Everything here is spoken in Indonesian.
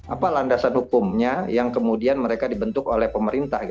apa landasan hukumnya yang kemudian mereka dibentuk oleh pemerintah